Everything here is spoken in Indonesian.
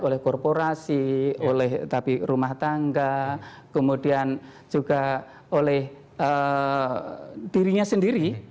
oleh korporasi oleh tapi rumah tangga kemudian juga oleh dirinya sendiri